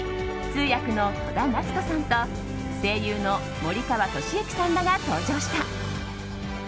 通訳の戸田奈津子さんと声優の森川智之さんらが登場した。